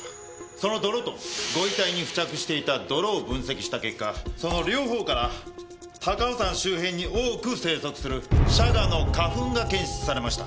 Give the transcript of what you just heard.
その泥とご遺体に付着していた泥を分析した結果その両方から高尾山周辺に多く生息するシャガの花粉が検出されました。